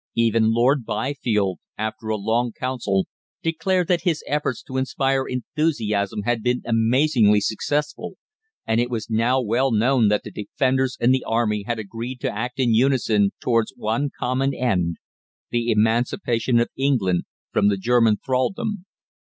Even Lord Byfield, after a long council, declared that his efforts to inspire enthusiasm had been amazingly successful, and it was now well known that the "Defenders" and the Army had agreed to act in unison towards one common end the emancipation of England from the German thraldom.